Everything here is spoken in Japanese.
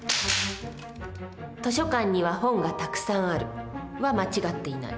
「図書館には本がたくさん有る」は間違っていない。